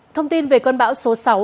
thông tin về cơn bão số sáu